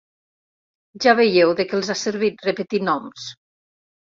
Ja veieu de què els ha servit, repetir noms.